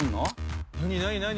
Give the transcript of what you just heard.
何？